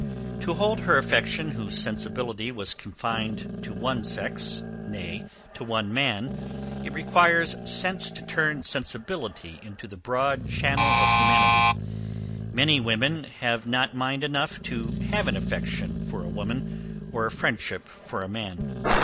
To hold her affection whose sensibility was confined to one sex, nay, to one man, it requires sense to turn sensibility into the broad channel of humanity: many women have not mind enough to have an affection for a woman, or a friendship for a man.